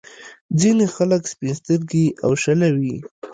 ځينې خلک سپين سترګي او شله وي.